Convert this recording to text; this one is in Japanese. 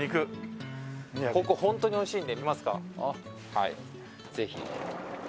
はいぜひ。